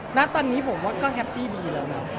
หน้าตอนนี้ผมว่าก็แฮปปี้ดีแล้วนะ